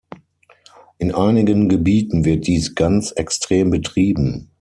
In einigen Gebieten wird dies ganz extrem betrieben.